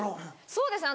そうですね